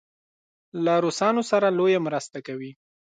له روسانو سره لویه مرسته کوي.